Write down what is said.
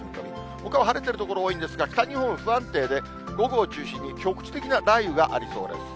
ほかは晴れているとこ多いんですが、北日本、不安定で、午後を中心に局地的な雷雨がありそうです。